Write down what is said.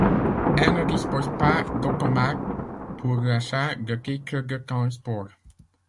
Elle ne dispose pas d'automate pour l'achat de titres de transport.